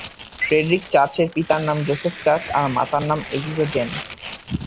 Friedrich চার্চের পিতার নাম জোসেফ চার্চ আর মাতার নাম এলিজা জেন।